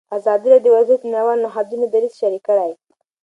ازادي راډیو د ورزش د نړیوالو نهادونو دریځ شریک کړی.